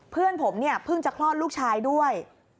เพื่อนผมเนี่ยเพิ่งจะคลอดลูกชายด้วย